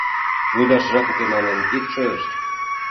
«Лудаш жап уке» манын ит шойышт.